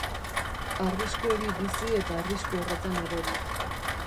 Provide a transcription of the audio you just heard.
Arrisku hori bizi eta arrisku horretan erori.